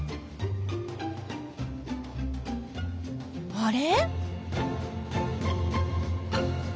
あれ？